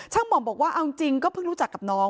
หม่อมบอกว่าเอาจริงก็เพิ่งรู้จักกับน้อง